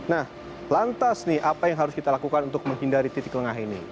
nah lantas nih apa yang harus kita lakukan untuk menghindari titik lengah ini